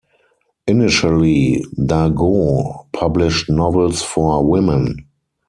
Initially, Dargaud published novels for women.